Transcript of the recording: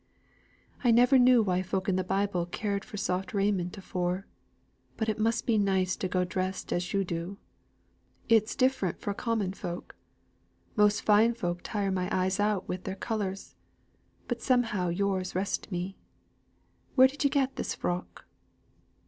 "I never knew why folk in the Bible cared for soft raiment afore. But it must be nice to go dressed as yo' do. It's different fro' common. Most fine folk tire my eyes out wi' their colours; but some how yours rest me. Where did ye get this frock?"